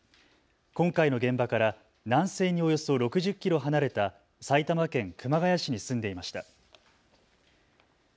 今回の現場から南西におよそ６０キロ離れた埼玉県熊谷市に住んでいました。